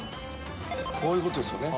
こういうことですよね。